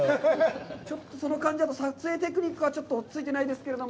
ちょっとその感じだと撮影テクニックは追いついてないですけれども。